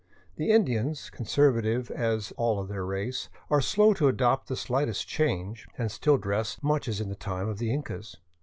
The Indians, conservative as all their race, are slow to adopt the slightest change, and still dress much as in the time of the Incas.